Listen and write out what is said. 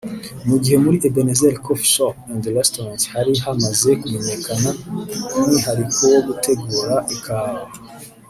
Mu gihe muri Ebenezer Coffe Shop and Restarant hari hamaze kumenyekana k’umwihariko wo gutegura ikawa